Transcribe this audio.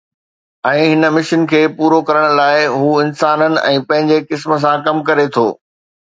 ۽ هن مشن کي پورو ڪرڻ لاء، هو انسانن ۽ پنهنجي قسم سان ڪم ڪري ٿو